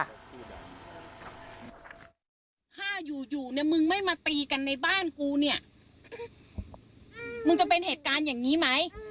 ถ้าอยู่อยู่เนี่ยมึงไม่มาตีกันในบ้านกูเนี่ยมึงจะเป็นเหตุการณ์อย่างนี้ไหม